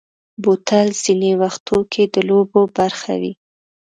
بوتل ځینې وختو کې د لوبو برخه وي.